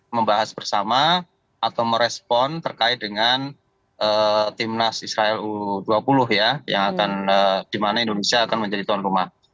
membahas bersama atau merespon terkait dengan timnas israel u dua puluh ya yang akan di mana indonesia akan menjadi tuan rumah